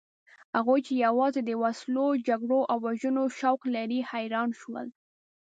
هغوی چې یوازې د وسلو، جګړو او وژنو شوق لري حیران شول.